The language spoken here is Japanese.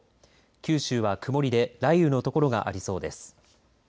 九州は曇りで雷雨のところがありそうです。